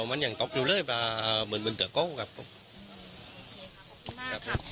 ครับมันยังต๊อกอยู่เลยอ่าเหมือนเงินเตือก้องครับโอเคครับขอบคุณมากครับ